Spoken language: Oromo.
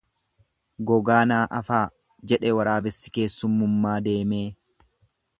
Gogaa naa afaa, jedhe waraabessi keessumummaa deemee.